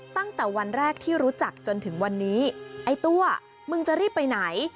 ตั้งแต่วันแรกที่รู้จักจนถึงวันนี้ไอ้ตัวมึงจะรีบไปไหน